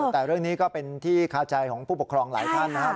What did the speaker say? แต่เรื่องนี้ก็เป็นที่คาใจของผู้ปกครองหลายท่านนะครับ